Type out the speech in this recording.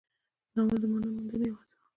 ناول د معنا موندنې یوه هڅه وه.